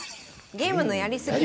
「ゲームのやりすぎ」。